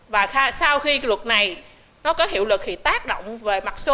và sau khi cái luật này nó có hiệu lực thì tác động về mặt số